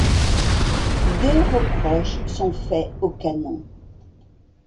Deux reproches sont faits au canon.